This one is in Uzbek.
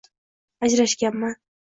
Ajrashganman.